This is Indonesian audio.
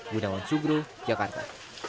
gunawan sugro jakarta